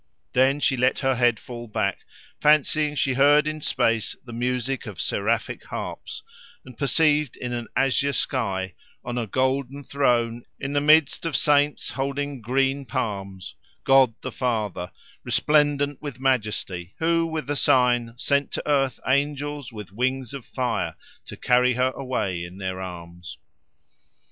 Then she let her head fall back, fancying she heard in space the music of seraphic harps, and perceived in an azure sky, on a golden throne in the midst of saints holding green palms, God the Father, resplendent with majesty, who with a sign sent to earth angels with wings of fire to carry her away in their arms.